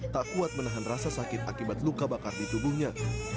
tak kuat menahan rasa sakit akibat luka bakar di tubuhnya